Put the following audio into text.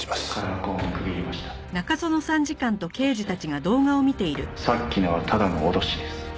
「そしてさっきのはただの脅しです」